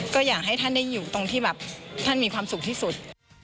ก็อยากให้ท่านได้อยู่ตรงที่แบบท่านมีความสุขที่สุด